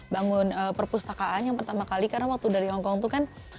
bangun perpustakaan yang pertama kali karena waktu dari hongkong itu kan